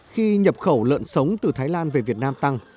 khi nhập khẩu lợn sống từ thái lan về việt nam tăng